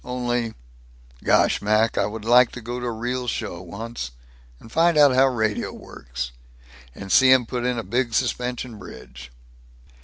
Only Gosh, Mac, I would like to go to a real show, once. And find out how radio works. And see 'em put in a big suspension bridge!"